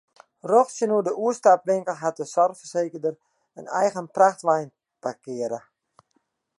Rjocht tsjinoer de oerstapwinkel hat de soarchfersekerder in eigen frachtwein parkearre.